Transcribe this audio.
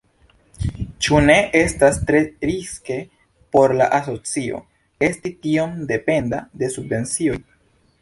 Ĉu ne estas tre riske por la asocio esti tiom dependa de subvencioj?